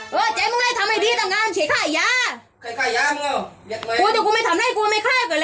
พี่ค่ะแม่เท้ามานี่ก่อน